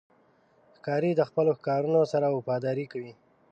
ښکاري د خپلو ښکارونو سره وفاداري کوي.